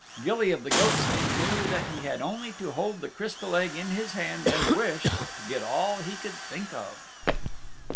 Gilly of the Goatskin knew that he had only to hold the Crystal Egg in his hand and wish, to get all he could think of.